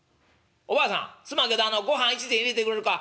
おばあさんすまんけどあのごはん１膳入れてくれるか？」。